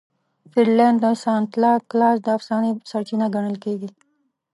فنلنډ د سانتا کلاز د افسانې سرچینه ګڼل کیږي.